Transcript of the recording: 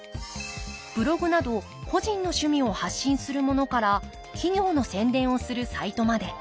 ブログなど個人の趣味を発信するものから企業の宣伝をするサイトまで。